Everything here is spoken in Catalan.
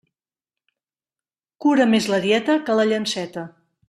Cura més la dieta que la llanceta.